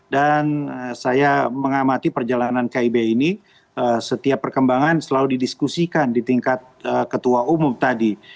dan saya mengamati perjalanan kib ini setiap perkembangan selalu didiskusikan di tingkat ketua umum tadi